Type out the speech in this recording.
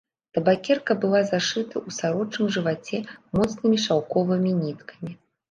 Табакерка была зашыта ў сарочым жываце моцнымі шаўковымі ніткамі.